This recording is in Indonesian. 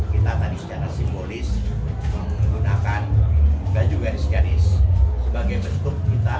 kita tadi secara simbolis menggunakan baju hitam putih garis lurus itu